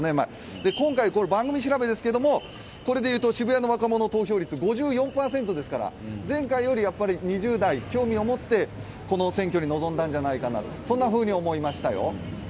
今回、番組調べですけど、渋谷の若者の投票率５４％ですから前回より２０代、興味を持ってこの選挙に臨んだんじゃないかなと思いましたよ。